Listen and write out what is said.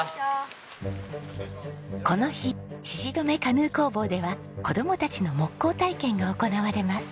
この日鹿留カヌー工房では子供たちの木工体験が行われます。